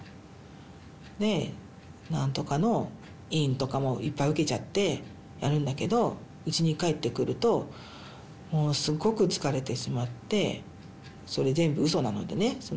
で何とかの委員とかもいっぱい受けちゃってやるんだけどうちに帰ってくるともうすごく疲れてしまってそれ全部うそなのでね。